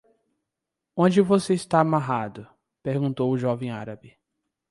"Onde você está amarrado?" perguntou o jovem árabe.